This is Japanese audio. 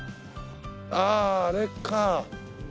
あああれか。